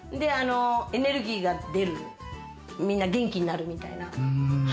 エネルギーが出る、みんな元気になるみたいな。